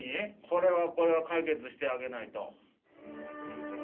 これはこれは解決してあげないと。